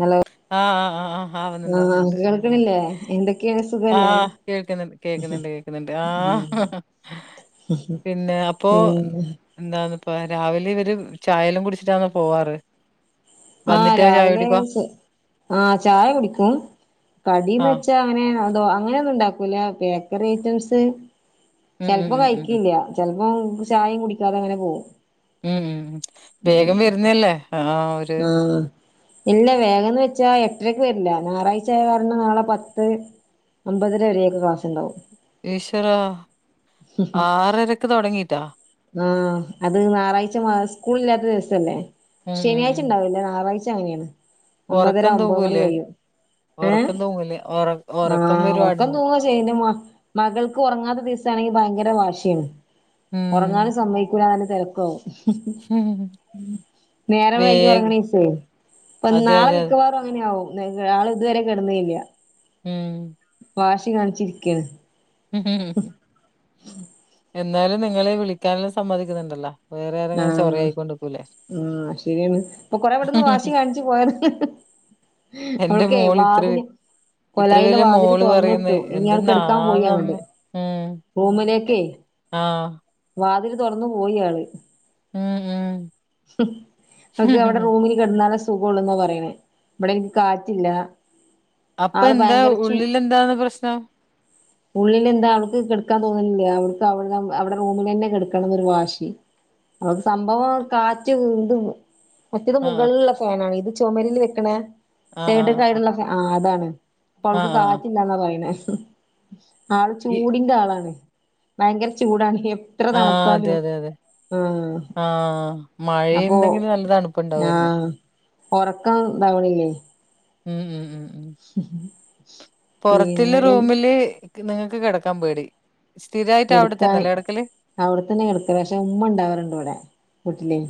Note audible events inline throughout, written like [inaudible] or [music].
Hello ആഹ് ആഹ് ആഹ് ആഹ് ആവുന്നുണ്ട് ആഹ് ആവുന്നുണ്ട് ഉം. കേൾക്കണില്ലേ എന്തൊക്കെയാണ് സുഖല്ലേ ആഹ് കേൾക്കുന്നുണ്ട്. കേക്കുന്നുണ്ട് കേക്കുന്നുണ്ട്. ഉം ആഹ് പിന്നെ അപ്പൊ. പിന്നെ എന്താന്ന് ഇപ്പ രാവിലെ ഇവര് ചായലും കുടിച്ചിട്ടന്ന പോവാറ്? ആഹ് വന്നിട്ടാ ചായ രാവിലെ കുടിക്കുവാ ചെ ആഹ് ചായ കുടിക്കും. ആഹ് കടിന്ന്ച്ച അങ്ങനെ അതോ അങ്ങനെ ഒന്നും ഉണ്ടാക്കൂല. ബേക്കറി ഐറ്റംസ് ഉം ഉം ചിലപ്പോ ഉം ഉം ഉം കഴിക്കില്ല. ചെൽപ്പോം ചായയും കുടിക്കാതെ അങ്ങനെ പോകും. ഉം വേഗം വരുന്നല്ലേ ആഹ് ഒ ഉം ഇല്ല വേഗംന്ന് വെച്ചാ എട്ടരക്ക് വരില്ല. ഞായറാഴ്ച ആയ കാരണം നാളെ പത്ത്, ഒമ്പതര വരെയൊക്ക ക്ലാസ്ണ്ടാവും. ഈശ്വര ആറരക്ക് തുടങ്ങിട്ടാ. ആഹ് അത് ഞായറാഴ്ച മാ സ്കൂള് ഇല്ലാത്ത ദിവസല്ലേ. ഉം ഉം ശനിയാഴ്ച ഉം ഉണ്ടാവല്ല. ഞായറാഴ്ച അങ്ങിനേണ്. ഒമ്പതര ഒറക്കം ഒമ്പത് മണി തൂങ്ങൂലേ കയ്യും. ഏഹ് ഒറക്കം തൂങ്ങൂലേ ഒറ ഒറക്കം ആഹ് വരും ഓർക്ക ആട്ന്ന് തൂങ്ങ ചേയന്ന മ്മ. മകൾക്ക് ഉറങ്ങാത്ത ദിവസാണെങ്കിൽ ഭയങ്കര വാശിയാണ്. ഉം ഉറങ്ങാനും സമ്മയിക്കൂല്ല, നല്ല തിരക്കാവും. ഉം ഉം നേരം വൈകി ഉറങ്ങണസേ. ഇപ്പൊ അതെ നാളെ അതെ അതെ. മിക്കവാറും അങ്ങനെയാവും. [unintelligible] ഇതുവരെ കിടന്നില്ല. ഉം വാശി കാണിച്ചിരിക്കേണ്. [inaudible] എന്നാലും നിങ്ങളീ വിളിക്കാനല്ലാം സമ്മതിക്കുന്നുണ്ടല്ലോ. വേറെ ആറെങ്കിലും ചോറ ആയി കൊണ്ട് നിക്കൂല്ലേ. ഉം ശരിയാണ്. ഇപ്പൊ കൊറെവിടുന്ന് വാശി കാണിച്ചു പോയത്. എന്റെ അവൾക്കേ മോള് ഇത്ര വാതില്, ഇത്ര കൊലായിലെ വലിയ വാതില് മോള് പറയുന്ന് തുറന്നിട്ടു. ഇനി ആള് കെടക്കാൻ പോയി അങ്ങട്. എന്തെന്നാന്നമ്മ ഉം റൂമിലേക്കെ. ആഹ് വാതിൽ തുറന്നു പോയി ആള്. ഉം ഉം. അവക്ക് അവിടെ റൂമില് കിടന്നാല സുഖം ഉള്ളൂ, എന്നാ പറയണേ. ഇവിടെ എനി കാറ്റില്ല. അപ്പൊ ആള് എന്താ ഭയങ്കര ചൂ ഉള്ളിൽ എന്താണ് പ്രശ്നം? ഉള്ളിൽ എന്താ അവക്ക് കിടുക്കാൻ തോന്നുന്നില്ല. അവക്ക് അവിടെ റൂമിൽ നന്നെ കെടുക്കണം എന്നൊരു വാശി. അവക്ക് സംഭവം കാറ്റ് ഇണ്ട്. മറ്റത് ആഹ് മുകളിലുള്ള റ്റാണ് ഇത് ചുമരിൽ വെക്കണ ആഹ് ആഹ് സൈഡ്ക്കയിട്ട്ള്ള് ഫാ ആഹ് അതാണ്. അപ്പ ആഹ് അവക്ക് ആഹ് ആഹ് കാറ്റ് എന്താന്ന പറയണ. ആള് ഈ ചൂടിന്റെ ആളാണ്. ഭയങ്കര ചൂടാണ്, എപ്പ് ആ അതെ അതെ അതെ. ആഹ് അപ്പൊ മഴയുണ്ടെങ്കിൽ നല്ല തണുപ്പുണ്ടാവായിരുന്നു. ആഹ് ഉറക്കം ഇതാവണില്ലേ. ഉം ഉം ഉം ഉം. [inaudible] പുറത്തുല്ല പിന്നെ റൂമില് നിങ്ങക്ക് കിടക്കാൻ പേടി. സ്ഥിരായിട്ട് അവിടെ കിടക്കാൻ, തന്നെല്ലേ കെടക്കല് അവിടെത്തന്നെ കടുക്ക. പക്ഷെ ഉമ്മ ഉണ്ടാവാറുണ്ട് ഇവിടെ വീട്ടില്.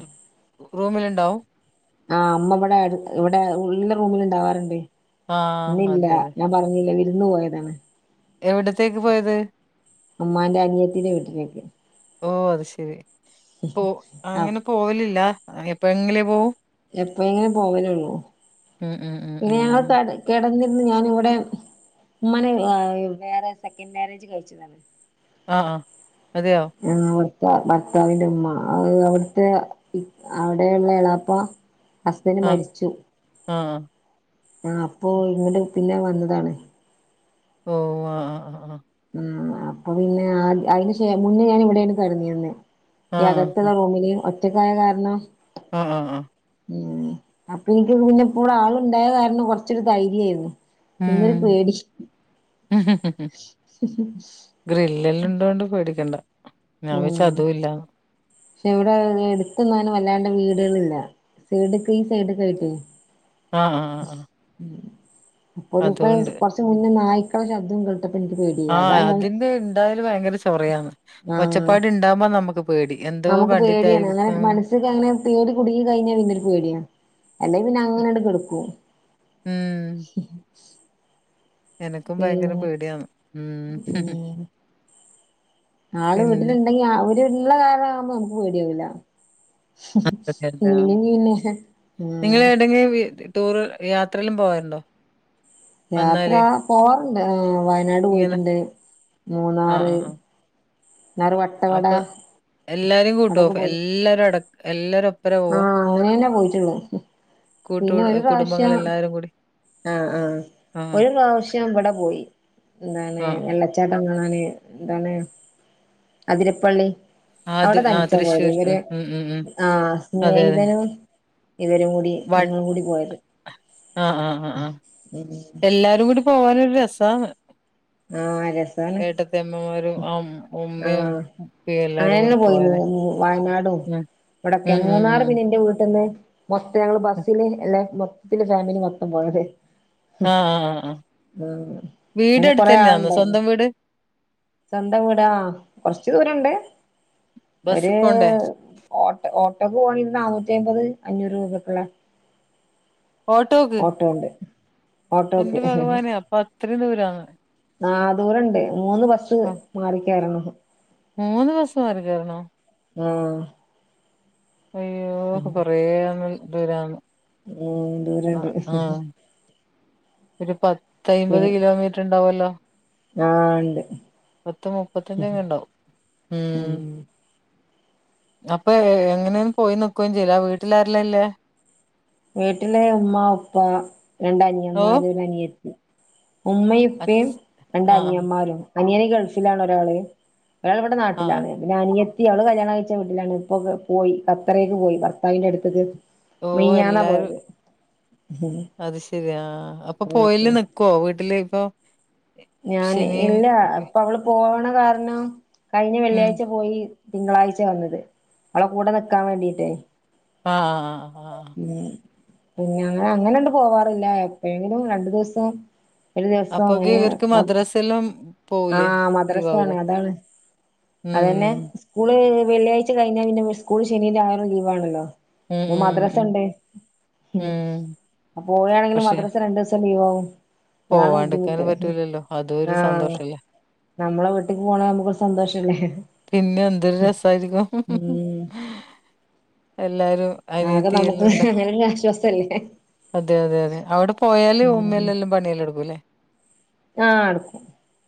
[unintelligible] റൂമില്ണ്ടാവും. ആഹ് മ്മവടെ ഇവിടെ ഉള്ള്ലെ റൂമില്ണ്ടാവാറ്ണ്ട്. ആഹ് ന്നില്ല. അതെ അതെ. ഞാൻ പറഞ്ഞിലേ വിരുന്ന് പോയതാണ്. എവിടത്തേക്ക് പോയത്? ഉമ്മാന്റെ അനിയത്തിന്റെ വീട്ടിലേക്ക്. ഓ അത് ശരി. പോ അപ് അങ്ങനെ പോവലില്ല? എ എപ്പെഴെങ്കിലേ പോവൂ? എപ്പഴെങ്കിലും പോവലൊള്ളൂ. ഉം ഉം ഉം. ഉം. ഞങ്ങൾ കെട കെടന്നിര്ന്ന്‌. ഞാനിവടെ ഉമ്മാനെ ഏഹ് വേറെ സെക്കൻഡ് മാരേജ് കഴിച്ചതാണ്. ആഹ് അതെയോ. ഇവട്ത്തെ ഭർത്താവിന്റെ ഉമ്മ അത് അവിട്ത്തെ. ഇപ് അവിടെ ഇള്ള എളാപ്പ ഹസ്ബൻഡ് ആഹ് മരിച്ചു. ആഹ് ആഹ് അപ്പൊ ഇങ്ങട് പിന്നെ വന്നതാണ്. ഓഹ് ആഹ് ഹാ ഹാ ഉം. അപ്പം പിന്നെ ആ അയ്ന് ശേ മുന്നേ ഞാന് ഇവിടേണ് കെട്ന്നീര്ന്നെ. ഈ അകത്ത്ള്ള ആഹ് റൂമില് ഒറ്റക്കായ കാരണം. ആഹ് ആഹ് ആഹ്. ഉം. അപ്പൊ ഇൻക്കി ഇപ്പവടെ ആള് ണ്ടായ കാരണം കൊർചൊര് ധൈര്യേര്ന്നു. ഇന്നൊരു ഉം. പേടി. ഗ്രില്ലെല്ലുണ്ടോണ്ട് പേടിക്കണ്ട. ഞാൻ വിചാരിച്ച് ഉം. അതും ഇല്ലാന്ന്. ക്ഷേ, ഇവടെ എട്ത്തൊന്നും വല്ലാണ്ട വീടുകളില്ല. സൈഡ്ക്ക് ഈ സൈഡ്ക്കായിട്ടെ. ആഹാ ഹാ ഉം അപ്പൊ ഒരൂസ കൊറച്ച് മുന്നേ നായ്ക്കളെ ശബ്ദം കേട്ടപ്പം ഇൻക്ക്‌ പേടി. ആഹ്. അതിന്റെ ഇണ്ടായാല് ഭയങ്കര ചൊറയാണ്. ആഹ് ഒച്ചപ്പാട് ഇണ്ടാകുമ്പാ നമ്മക്ക്‌ പേടി. നമുക്ക് പേടിയാണ്. അങ്ങനെ കണ്ടിട്ടായിരിക്കും. മനസ്സ് ക്കങ്ങനെ പേടി കുടുങ്ങി കഴിഞ്ഞാ പിന്നൊരു പേടിയാ. അല്ലെ പിന്നങ്ങനാണ്ട് കെട്ക്കും. ഉം എനക്കും ഭയങ്കര പിന്നെ പേടിയാന്ന്. ഉം. ആള് പിന്നെ വീട്ടില്ണ്ടെങ്കി. അവര്ള്ള കാരണാകുമ്പോ നമക്ക്‌ പേടിയാവൂല. അതെ അതെ ആ. ഇല്ലെങ്കി പിന്നെ. ആഹ് [unintelligible] ടൂറ് യാത്രയെല്ലാം പോവാറ്ണ്ടോ? യാത്ര പോവാറ്ണ്ട് ആഹ് വയനാട് ഇങ്ങനെ പോയിട്ട്ണ്ട്. ആ, ആ, മൂന്നാറ്. ആ. ന്നാർ വട്ടവട. എല്ലാരിം കൂട്ട്വോ? അവിടൊക്കെ പോയി എല്ലാരും അട എല്ലാരും ഒ പ്പരാ പോവാ? ആഹ് അങ്ങനെന്നെ പോയിട്ടുള്ളു കൂട്ടു പിന്നെ ഒരു പ്രാവശ്യം കുടുംമ്പങ്ങളെല്ലാരും കൂടി. ആഹ് ആഹ്. ആ, ഒരു പ്രാവശ്യം ഇവടെ പോയി. എന്താണ് ആ, ആ. വെള്ള ച്ചാട്ടം കാണാന് എന്താണ് അതിരപ്പള്ളി. ആ അത് അവിടെ ആ തനിച്ചാ പോയത്. തൃശ്ശൂർ. ഇവരെ ഉം, ഉം, ഉം, ഉം. ആഹ് അതെ, അതെ. സ്നേഹിതനും ഇവരും കൂടി ഞങ്ങളും കൂടി പോയത്. ആഹ് ആഹ് ആഹ്. എല്ലാരും കൂടി പോവാനൊരു രസാണ്. ആഹ് രസാണ് ഏട്ടത്തിയമ്മമാരും ആഹ് ഉമ് ഉമ്മിം ആഹ് ഉപ്പിം എല്ലാരും കൂടി അങ്ങനെന്നെ പോയിന്ന് പോവാന്. വയനാടും ഉം. ഇവടൊക്കെ. ഉം, ഉം, ഉം, മൂന്നാറ് ഉം. പിന്നെന്റെ വീട്ടിന്ന്. മൊത്തം ഞങ്ങള് ബസ്സില് അല്ലെ മൊത്തത്തില് ഫാമിലി മൊത്തം പോയത് ആ, ഹും ആ, ആ, ആ. ആഹ് വീട് കൊറെ അടുത്തന്നെയാന്നോ? ആളിണ്ടായിനി. സ്വന്തം വീട്? സ്വന്തം വീടാ ആഹ് കൊറച്ച് ദൂരണ്ട്. ബസ്സി ഒര് പോണ്ടേ? ഓട്ട ഓട്ടോക്ക് പോവാണേ നാനൂറ്റിഅയ്മ്പത് അഞ്ഞൂറ് രൂപക്ക്ള്ളെ ഓട്ടോക്ക് ഓട്ടോ ഉണ്ട്. എന്റെ ഓട്ടോക്ക് ഭഗവാനെ അപ്പൊ അത്രയും ദൂരാന്ന്. ആഹ് ദൂരണ്ട് മൂന്ന് ബസ് ആ മാറിക്കേറണം. മൂന്ന് ബസ്സ്‌ മാറി കേറണോ ആഹ് അയ്യോ കൊറേ ദൂരാന്ന് ഉം ദൂരണ്ട് ആഹ് ആഹ് ഒരു പി പത്തയിമ്പത് കിലോമീറ്റർ ഇണ്ടാവലോ ആഹ് ഇണ്ട് പത്ത് മുപ്പത്തഞ്ച് ഇണ്ടാവും ഉം അപ്പൊ എങ്ങനെ പോയി നിക്കൊന്നും ചെയ്യില്ല വീട്ടില് ആരെല്ല ഇള്ളെ വീട്ടില് ഉമ്മ ഉപ്പ രണ്ട് ഓ അനിയമ്മാര് ഒരു അനിയത്തി ഉമ്മയും ഉപ്പയും അച് രണ്ട് ആഹ് അനിയമ്മാരും അനിയൻ ഗൾഫിലാണ് ഒരാള് ഒരാള് ഇവിടെ ആഹ് നാട്ടിലാണ് ഒരു അനിയെത്തി അവള് കല്യാണം കയിച്ച വീട്ടിലാണ് ഇപ്പൊ പോയി ഖത്തറീക്ക് പോയി ഭർത്താവിന്റെ അടുത്ത്ക്ക് ഓ മിയാന്ന് എല്ലാരും അത് ശരിയാ അപ്പൊ പോയില്ലേ ഉം നി കോവിഡില് ഇപ്പൊ ഞാൻ ശനിയും ഇല്ല അപ്പൊ അവള് പോവണ കാരണം കയിഞ്ഞ ഉം വെള്ളിയായ്ച്ച പോയി തിങ്കളായ്ച്ച വന്നത് അവളെ കൂടെ നിക്കാൻ വേണ്ടിട്ടേ ആഹ് ആഹ് ആഹ് ആഹ് ആഹ് ഉം പിന്നെ അങ്ങനെണ്ട് പോവാറില്ല എപ്പോഴെങ്കിലും രണ്ടു ദിവസം ഒരു ദിവസം അപ്പൊക്ക് അങ്ങനെ ഇവർക്ക് [unintelligible] ആഹ് ലീവാവൂലേ? മദ്രസയാണ് അതാണ് അതന്നെ ഉം. സ്കൂള് വെള്ളിയാഴ്ച കഴിഞ്ഞ പിന്നെ സ്കൂള് ശനിയും ഞായറും ലീവാണല്ലോ ഉം, ഇപ്പൊ ഉം, ഉം, മദ്രസ ഉം, ഇണ്ട് ഉം. ഓരാണെങ്കിലും പക്ഷെ മദ്രസ രണ്ടീസം ലീവാവും അതാണ് ബുദ്ധിമുട്ട് പോവാണ്ടിക്കാനും പറ്റൂലല്ലോ അതും ഒരു ആഹ് സന്തോഷല്ലേ? നമ്മളെ വീട്ടിക്ക് പോണ നമ്മക്കൊരു സന്തോഷല്ലേ പിന്നെന്തൊരു രസായിരിക്കും ഉം എല്ലാരും ആകെ അനിയത്തി നമുക്ക് എല്ലാം ഉണ്ട്. അങ്ങനെ ഒരു ആശ്വാസല്ലേ അതെ അതെ അതെ അവെടെ പോയാല് ഉം ഉമ്മയെല്ലെല്ലാം പണിയെല്ലാടുക്കൂലേ ആഹ് എടുക്കും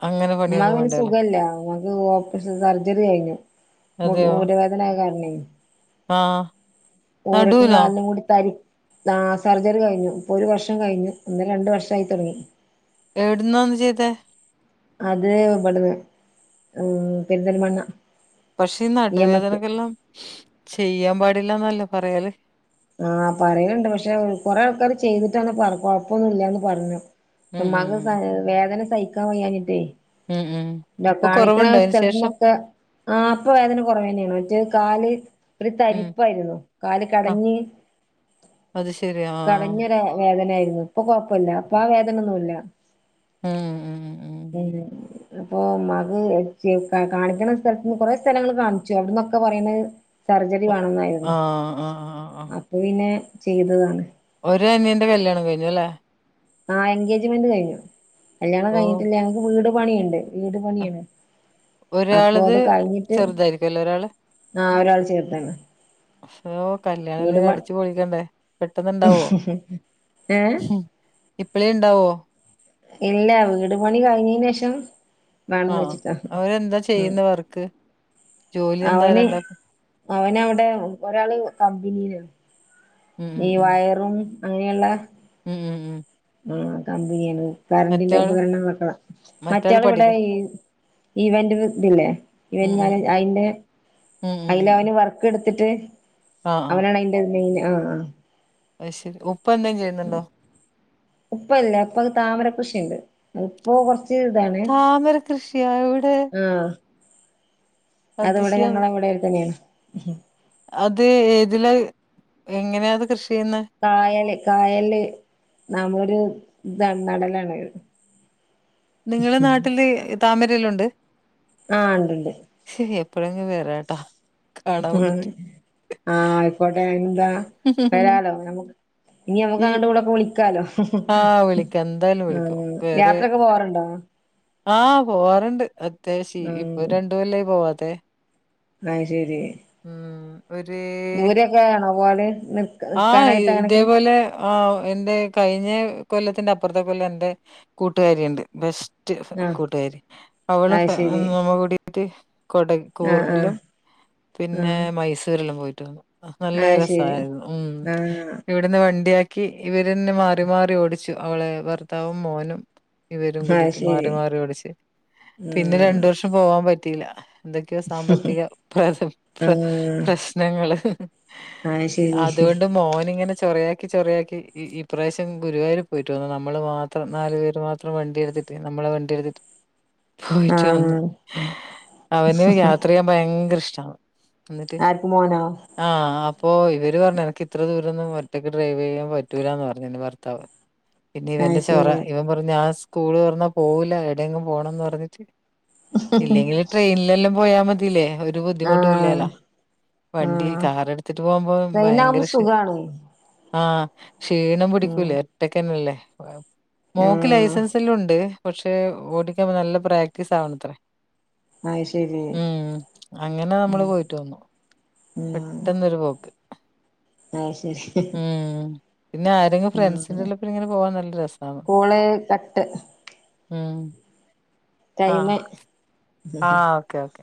അങ്ങനെ ഉമ്മ പണിയൊന്നും പിന്നെ വേണ്ടല്ലേ? സുഖല്ല ഇത് ഓപ്പറേഷൻ സർജറി കയിഞ്ഞു അതെയോ? ഊരവേദനായ കാരണേ ആഹ് ഊരക്കും നടുവിനോ? കാലിനും കൂടി തരി ആഹ് സർജറി കയിഞ്ഞു ഇപ്പൊ ഒരു വർഷം കയിഞ്ഞു ഒന്ന് രണ്ടു വർഷായി തുടങ്ങി എവിടുന്നാ ഒന്ന് ചെയ്തെ അത് ഇവിടുന്ന് പെരിന്തൽമണ്ണ പഷേ ഈ ഇ എം എസ് നടുവേദനക്കെല്ലാം ചെയ്യാൻ പാടില്ലാന്നല്ലേ പറയല് ആഹ് പറയിണ്ട് പഷേ കൊറേ ആൾക്കാര് ചെയ്തിട്ടാണ് പറ കൊഴപ്പൊന്നുല്ലാന്ന് പറഞ്ഞു ഉം, ഉം, ഉമ്മാക്കെ ഉം. വേദന സഹിക്കാൻ വയ്യാഞ്ഞിട്ടേ ഉം, ഉം. ഇപ്പൊ കാണിക്കണ കൊറവുണ്ടോ അതിന് ശേഷം? സ്ഥലത്ത്ന്നൊക്കെ ആഹ് ഇപ്പ വേദന കുറവന്നേണ് മറ്റേ കാല് ഒരു ഉം. തരിപ്പായിരുന്നു കാല് ആ കടഞ്ഞ് അത് ശരി ആഹ് വേ വേദനയായിരുന്നു ഇപ്പൊ കൊയപ്പല്ല ഇപ്പ ആഹ് വേദനയൊന്നുല്ല ഉം ഉം ഉം [inaudible] അപ്പൊ ഉമ്മാക്ക് കാണിക്ക്ണ സ്ഥലത്ത്ന്ന് കൊറെ സ്ഥലങ്ങൾ കാണിച്ചു അവിടന്നൊക്കെ പറയ്ണെ സർജറി ഒ വേണെന്നായിരുന്നു ആഹ് ആഹ് ആഹ് ആഹ് അപ്പൊ പിന്നെ ചെയ്തതാണ് ഒരു അനിയന്റെ കല്യാണം കഴിഞ്ഞുല്ലേ ആഹ് എൻഗേജ്മെന്റ് കഴിഞ്ഞു കല്യാണം ഓ കഴിഞ്ഞിട്ടില്ല ഞങ്ങക്ക് വീട് പണിണ്ട് വീട് അഹ് പണിയാണ് അപ്പൊ ഒരാളത് അത് കഴിഞ്ഞിട്ട് ചെറുതായിരിക്കുവല്ലേ ഒരാള്? ആഹ ഒരാൾ ചേർതെന്നെ ശോ കല്യാണം എല്ല അടിച്ചു പൊളിക്കണ്ടേ പെട്ടെന്ന് ഇണ്ടാവോ ഏ ഇപ്പളേ ഇണ്ടാവോ ഇല്ല വീട് പണി കഴിഞ്ഞേനെഷം വേണംന്ന് ആഹ്. വെച്ചിട്ടാ അവരെന്താ ചെയ്യുന്ന വർക്ക്? ജോലി എന്താ അവന് രണ്ടാക്കും? അവനവിടെ ഒരാള് കമ്പനിയില് ഉം, ഈ വയറും അങ്ങേയുള്ള മ് മ് മ് ആ കമ്പനിയാണ് കറണ്ടിന്റെ മറ്റാള് ഉപകരണങ്ങളൊക്കാ മറ്റാള് മറ്റിയാൾ ഇവിടെ പഠിക്ക ഈ ഈവന്റ് ഇതില്ലേ ഉം, ഇവന്റ് ഉം. മാനേജ് അയിന്റെ ഉം ക്ക് എടുത്തിട്ട് ആഹ്, അവനാണ് അതിന്റെ മെയിൻ ആ ആഹ് അഹ് ശരി ഉപ്പ എന്തേം ചെയ്യുന്നുണ്ടോ ഉപ്പ ഇല്ല ഉപ്പാക്ക് താമരക്കൃഷിണ്ട് അത് ഇപ്പൊ കൊർച്ച് കൊർച് ഇതാണ് താമര കൃഷിയാ എവിടെ? ആഹ് അത് ഇവിടെ അതിശയാണ്. ഞങ്ങളെവിടെ തന്നെയാണ് അത് ഏതിലാ എങ്ങനെയാണത് കൃഷി ചെയ്ന്നേ കായല് കായല് ന മ്മൊരു ഇതാ നടലാണ് നിങ്ങളെ നാട്ടില് താമരലുണ്ട് ആഹ് ഇണ്ട്ണ്ട് ഹീഎപ്പഴെങ്കിം വരാട്ടാ കാണാൻ ആഹ് വേണ്ടിട്ട്. ആ ആയിക്കോട്ടെ അയി വരാലോ നമ് ഇനി നമക്ക് ഈ അങ്ങട്ടും ഇങ്ങട്ടും ഒക്കെ വിളിക്കാലോ ആഹ് വിളിക്കാം എന്തായാലും ആ വിളിക്കും. വേറെ യാത്രൊക്കെ പോവാറുണ്ടോ ആഹ് പോവാറുണ്ട് അത്യാവശി ഇപ്പൊ ആഹ് രണ്ടു കൊല്ലായി പോവാതെ അഹ് ശരി ഒരു ദൂരെഒക്കെ ആണോ പോല് നിക്കാനായിട്ട് അങ്ങനെക്കേ ആ എന്റെ കഴിഞ്ഞ കൊല്ലത്തിന്റെ അപ്പുറത്തെ കൊല്ലം എന്റെ കൂട്ടുകാരിണ്ട് ബെസ്റ്റ് ആഹ് കൂട്ടുകാരി അവളും അത് ഫാ ശരി മും കൂടിട്ട് കൊട ആഹ് ആഹ് കൂർഗിലും പിന്നെ മൈസൂരിലും പോയിട്ട്ണ്ട് ആഹ് നല്ല അത് ശരി രസമായിരുന്നു മ് ആഹ് ഇവിടെ ഇവിടുന്ന് വണ്ടിയാക്കി ഇവരെന്നേ മാറി മാറി ഓടിച്ചു അവളെ ഭർത്താവും മോനും ഇവരും അത് കൂടിട്ട് മാറി ശരി മാറി ഓടിച്ച് പിന്നെ ഉം രണ്ടു വർഷ ഷേ പോകാൻ പറ്റില്ല എന്തൊക്കെയോ സാമ്പത്തിക- പ്ര -പ്ര- പ്രഷ് ആഹ് പ്രശ്നങ്ങള് അത് ശരി അതുകൊണ്ട് മോൻ ഇങ്ങനെ ചൊറയാ ചോറിയക്കി ഈ ഇ പ്രാവശ്യം ഗുരുവായൂർ പോയിട്ട് വന്ന് നമ്മള് മാത്രം നാല് പേര് മാത്രം വണ്ടി എടുത്തിട്ട് നമ്മളെ വണ്ടിയടുത്തിട്ട് പോയിട്ട് വന്നു ആഹ് അവന് യാത്ര ഭയങ്കര ഇഷ്ട്ടാണ് ആർക്ക് മോനോ ആഹ് അപ്പോ ഇവര് പറഞ്ഞ് എനിക്ക് ഇത്ര ദൂരോന്നും ഒറ്റയ്ക്ക് ഡ്രൈവ് ചെയ്യാൻ പറ്റൂല്ലാന്ന് പറഞ്ഞ് എന്റെ ഭർത്താവ് [inaudible] പിന്നെ അത് ഇവന്റെ ചോറ ശരി ഇവൻ പറഞ്ഞു ഞാൻ സ്കൂള് തോറന്നാ പോകൂല്ല എവിടെയെങ്കിലും പോണംന്ന് പറഞ്ഞിട്ട് ഇല്ലെങ്കിലൽ ട്രെയിനിലെല്ലാം പോയാൽ മതില്ലേ ഒരു ബുദ്ധിമുട്ടും ആഹ് ഇല്ലല്ലോ വണ്ടി ആഹ് കാറെടുത്തിട്ട് പോവുമ്പോ ട്രെയിനാകുമ്പോ ഭയങ്കര ക്ഷീ- സുഖാണ് ആ ക്ഷീണം ഉം പിടിക്കൂലേ ഒറ്റക്കന്നല്ലേ മോൾക്ക് ആഹ് ലൈസൻസ് എല്ലാം ഉണ്ട് പക്ഷെ ഓടിക്കാൻ നല്ല പ്രാക്ടീസ് ആവണത്രേ അത് ശരി ഉം അങ്ങനെ നമ്മൾ ഉം പോയിട്ട് വന്നു പെട്ടെന്നൊരു പോക്ക് ആ ശരി ഉം. പിന്നെ ആരെങ്കിലും ഉം ഫ്രണ്ട്സിന്റെല്ലപ്പ ഇങ്ങനെ പോവാൻ നല്ല രസാണ്. കോള് കട്ട് ആഹ് ട്ടഴിമേ ആഹ് ഓക്കേ ഓ